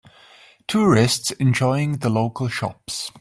Tourists enjoying the local shops.